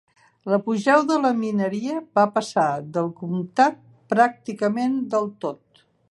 L'apogeu de la mineria va passar del comtat pràcticament del tot.